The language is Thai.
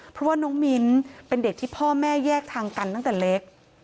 เพราะว่าน้องมิ้นเป็นเด็กที่พ่อแม่แยกทางกันตั้งแต่เล็ก